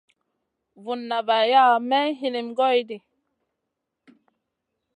Vunna vaya nay ma hinim goy ɗi.